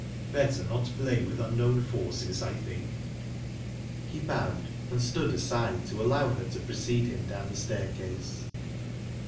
"Better not play with unknown forces, I think." He bowed, and stood aside to allow her to precede him down the staircase.